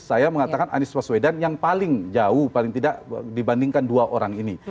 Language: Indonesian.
saya mengatakan anies waswedan yang paling jauh paling tidak dibandingkan dua orang ini